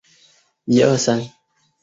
张永人。